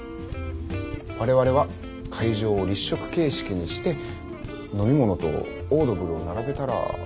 我々は会場を立食形式にして飲み物とオードブルを並べたら終了かな。